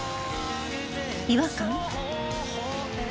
違和感？